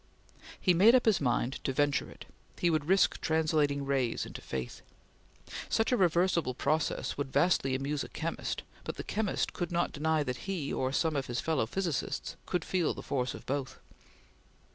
He made up his mind to venture it; he would risk translating rays into faith. Such a reversible process would vastly amuse a chemist, but the chemist could not deny that he, or some of his fellow physicists, could feel the force of both.